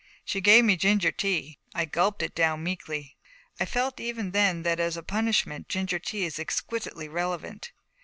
She gave me ginger tea. I gulped it down meekly. I felt even then that as a punishment ginger tea is exquisitely relevant.